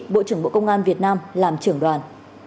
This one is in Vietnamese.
bộ trưởng bộ công an việt nam làm trưởng đoàn